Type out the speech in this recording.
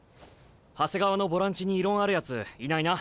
長谷川のボランチに異論あるやついないな？